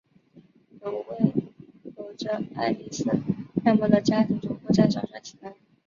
有位有着艾莉丝样貌的家庭主妇在早上醒来。